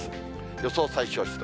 予想最小湿度。